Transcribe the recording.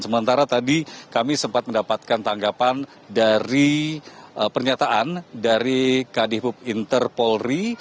sementara tadi kami sempat mendapatkan tanggapan dari pernyataan dari kdhub interpolri